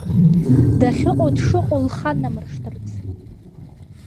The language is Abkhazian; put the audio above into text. Дахьыҟоу, дшыҟоу лха-намыршҭырц.